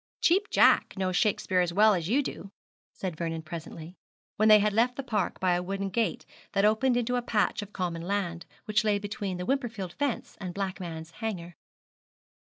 'Cheap Jack knows Shakespeare as well as you do,' said Vernon presently, when they had left the park by a wooden gate that opened into a patch of common land, which lay between the Wimperfield fence and Blackman's Hanger.